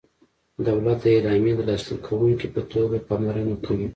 دولت د اعلامیې د لاسلیک کوونکي په توګه پاملرنه کوي.